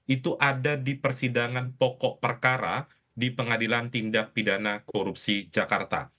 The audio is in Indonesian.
itu ada di persidangan pokok perkara di pengadilan tindak pidana korupsi jakarta